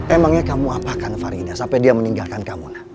emangnya kamu apakan farida sampai dia meninggalkan kamu